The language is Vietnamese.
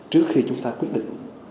trước khi chúng ta quyết định